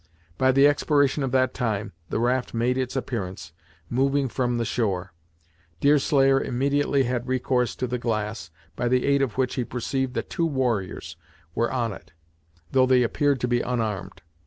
By the expiration of that time, the raft made its appearance, moving from the shore. Deerslayer immediately had recourse to the glass, by the aid of which he perceived that two warriors were on it, though they appeared to be unarmed.